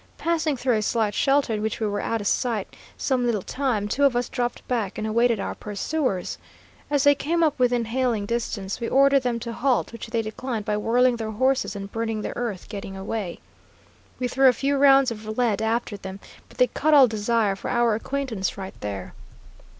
Passing through a slight shelter, in which we were out of sight some little time, two of us dropped back and awaited our pursuers. As they came up within hailing distance, we ordered them to halt, which they declined by whirling their horses and burning the earth getting away. We threw a few rounds of lead after them, but they cut all desire for our acquaintance right there.